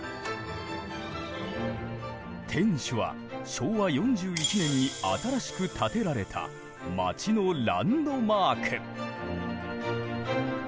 天守は昭和４１年に新しく建てられた町のランドマーク。